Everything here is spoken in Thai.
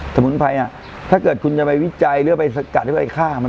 สมุนไพรถ้าเกิดคุณจะไปวิจัยหรือไปสกัดหรือว่าไปฆ่ามัน